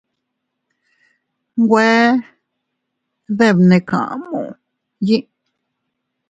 Güe debnekamu yee.